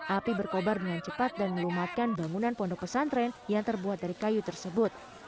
api berkobar dengan cepat dan melumatkan bangunan pondok pesantren yang terbuat dari kayu tersebut